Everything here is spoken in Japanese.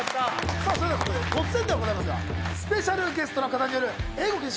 さあそれではここで突然ではございますがスペシャルゲストの方による英語禁止ボウリング始球式を。